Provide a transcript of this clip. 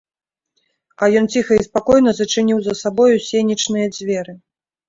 А ён ціха і спакойна зачыніў за сабою сенечныя дзверы.